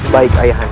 baik ayah anda